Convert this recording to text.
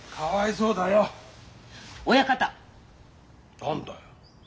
何だよ。